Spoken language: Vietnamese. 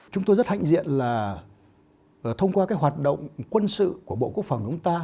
chúng tôi rất hạnh diện là thông qua hoạt động quân sự của bộ quốc phòng chúng ta